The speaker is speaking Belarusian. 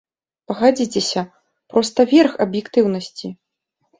Пагадзіцеся, проста верх аб'ектыўнасці.